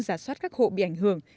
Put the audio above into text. giả soát các hộ bị ảnh hưởng